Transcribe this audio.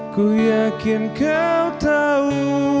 ku yakin kau tahu